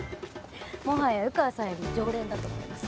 もはや湯川さんより常連だと思います。